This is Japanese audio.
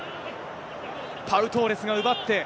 パウ・トーレスが奪って。